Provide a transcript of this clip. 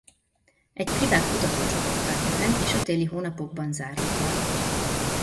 Egy privát kutatócsoport tartja fenn és a téli hónapokban zárva tart.